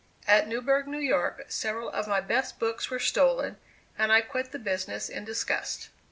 At Newburgh, New York, several of my best books were stolen, and I quit the business in disgust.